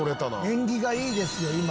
「縁起がいいですよ今」